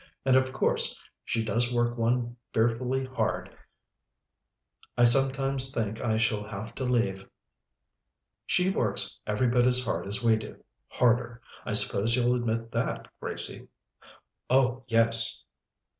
"And of course she does work one fearfully hard. I sometimes think I shall have to leave." "She works every bit as hard as we do harder. I suppose you'll admit that, Gracie?" "Oh yes."